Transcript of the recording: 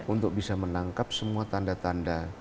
untuk bisa menangkap semua tanda tanda